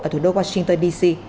ở thủ đô washington dc